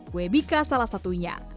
kue bika salah satunya